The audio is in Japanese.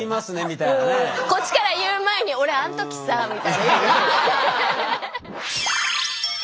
こっちから言う前に「俺あん時さ」みたいな。